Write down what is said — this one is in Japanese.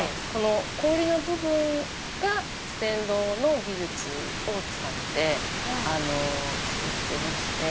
氷の部分がステンドの技術を使って作ってまして。